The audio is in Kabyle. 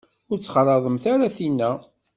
Ur ttxalaḍemt ara tinna.